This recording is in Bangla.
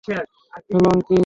Hello, uncle!